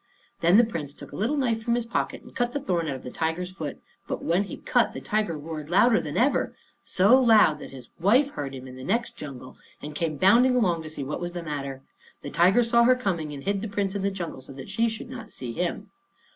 Then the Prince took a little knife from his pocket and cut the thorn out of the tiger's foot; but when he cut, the tiger roared louder than ever so loud that his wife heard him in the next jungle, and came bounding along to see what was the matter. The tiger saw her coming, and hid the Prince in the jungle, so that she should not see him.